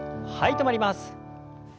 止まります。